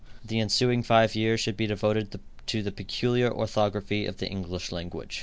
The ensuing five years should be devoted to the peculiar orthography of the English language.